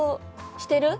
してる！